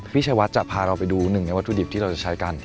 พี่ชายวัดจะพาเราไปดูหนึ่งในวัตถุดิบที่เราจะใช้กัน